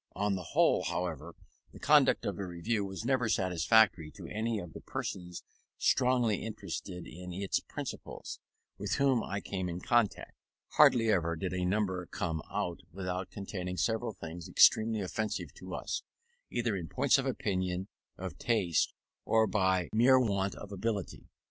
On the whole, however, the conduct of the Review was never satisfactory to any of the persons strongly interested in its principles, with whom I came in contact. Hardly ever did a number come out without containing several things extremely offensive to us, either in point of opinion, of taste, or by mere want of ability.